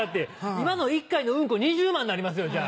今の１回のウンコ２０万になりますよじゃあ。